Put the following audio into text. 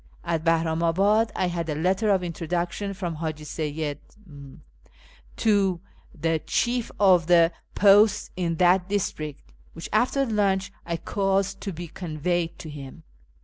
At Bahramabad I had a letter of introduction from Haji Seyyid M to the chief of the posts in that district, which, after lunch, I caused to be conveyed to him.